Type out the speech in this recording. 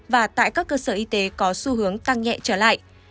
và tại các cơ sở y tế có xu hướng tăng nhẹ trở lại